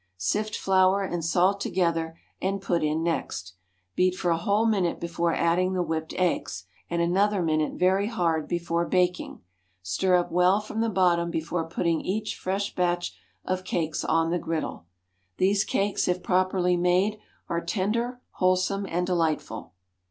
Sift flour and salt together, and put in next. Beat for a whole minute before adding the whipped eggs, and another minute very hard, before baking. Stir up well from the bottom before putting each fresh batch of cakes on the griddle. These cakes if properly made, are tender, wholesome and delightful.